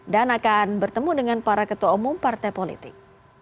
dan akan bertemu dengan para ketua umum partai politik